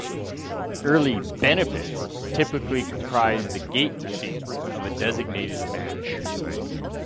Early "benefits" typically comprised the gate receipts of a designated match.